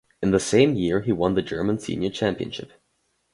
In the same year he won the German Senior Championship.